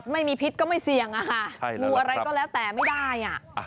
ไม่มีพิษก็ไม่เสี่ยงงูอะไรก็แล้วแต่ไม่ได้